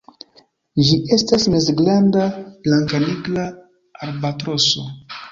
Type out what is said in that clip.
Ĝi estas mezgranda blankanigra albatroso.